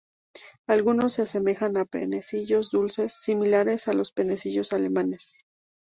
Algunos se asemejan a panecillos dulces, similares a los panecillos alemanes.